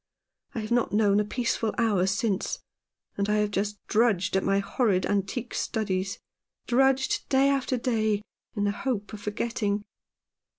I have not known a peaceful hour since, and I have just drudged at my horrid antique studies — drudged day after day, in the hope of forgetting."